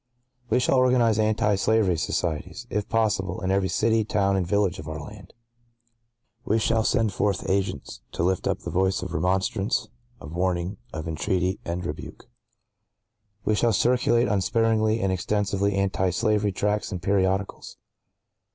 (¶ 35) We shall organize Anti Slavery Societies, if possible, in every city, town and village of our land. (¶ 36) We shall send forth Agents to lift up the voice of remonstrance, of warning, of entreaty and rebuke. (¶ 37) We shall circulate, unsparingly and extensively, anti slavery tracts and periodicals.